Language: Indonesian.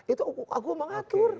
itu aku mengatur